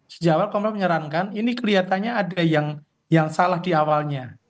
sejauh komponen saya menyerankan ini kelihatannya ada yang salah di awalnya